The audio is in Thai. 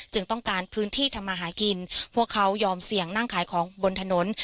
ต้องการพื้นที่ทำมาหากินพวกเขายอมเสี่ยงนั่งขายของบนถนน